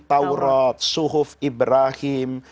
taurat suhuf ibrahim